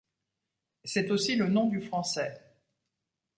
C'est aussi le nom du français.